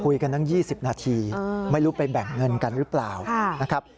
ตั้ง๒๐นาทีไม่รู้ไปแบ่งเงินกันหรือเปล่านะครับ